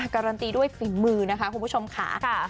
การันตีด้วยฝีมือนะคะคุณผู้ชมค่ะ